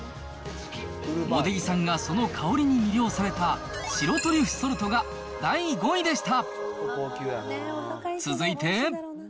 茂出木さんがその香りに魅了された、白トリュフソルトが第５位でした。